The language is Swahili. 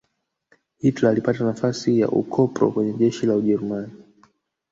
hitler alipata nafasi ya ukopro kwenye jeshi la ujerumani